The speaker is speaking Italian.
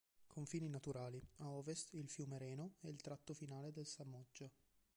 Confini naturali: A ovest, il fiume Reno e il tratto finale del Samoggia.